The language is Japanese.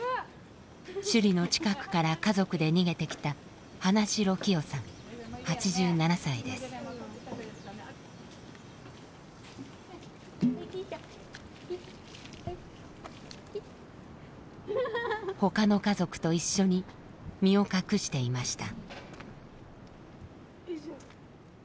首里の近くから家族で逃げてきたほかの家族と一緒に身を隠していました。